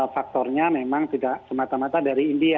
faktornya memang tidak semata mata dari india